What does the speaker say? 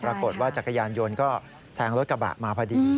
จักรยานยนต์ก็แซงรถกระบะมาพอดี